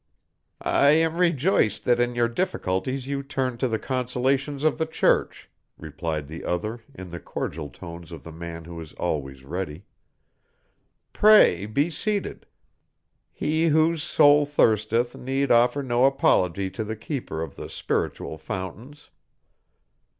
"I am rejoiced that in your difficulties you turn to the consolations of the Church," replied the other in the cordial tones of the man who is always ready. "Pray be seated. He whose soul thirsteth need offer no apology to the keeper of the spiritual fountains."